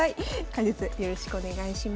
解説よろしくお願いします。